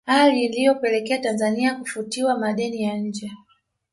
Hali iliyopelekea Tanzania kufutiwa madeni ya nje